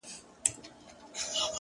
• که نڅا وي خو زه هم سم نڅېدلای,